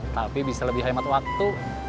tapi bisa lebih hemat waktu